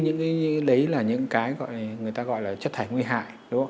những cái đấy là những cái người ta gọi là chất thải nguy hại